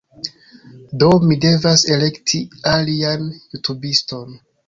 Do, mi devas elekti alian jutubiston